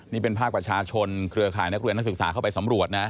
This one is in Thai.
นี่เป็นภาพประชาชนเครือข่ายนักเรียนนักศึกษาเข้าไปสำรวจนะ